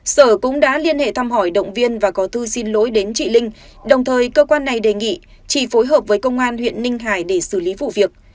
sở cũng đã liên hệ thăm hỏi động viên và có thư xin lỗi đến chị linh đồng thời cơ quan này đề nghị chị phối hợp với công an huyện ninh hải để xử lý vụ việc